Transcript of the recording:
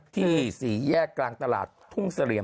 สี่แยกกลางตลาดทุ่งเสลี่ยม